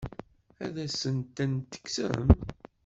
Ad asen-ten-tekksem?